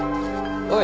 おい！